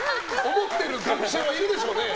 思ってる学者はいるでしょうね。